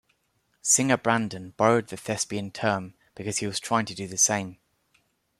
Singer Brandon borrowed the thespian term because he was trying to do the same.